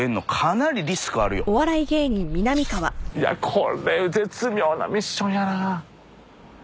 これ絶妙なミッションやな。